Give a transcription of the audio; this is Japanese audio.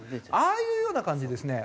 ああいうような感じでですね